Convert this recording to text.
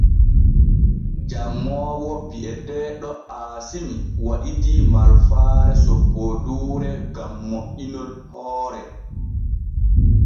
Janŋoowo bi’eteeɗo Aasimi waɗidii malfaare soppooduure gam moƴƴinol hoore.